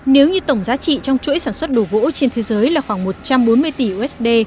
nếu như tổng giá trị trong chuỗi sản xuất đồ gỗ trên thế giới là khoảng một trăm bốn mươi tỷ usd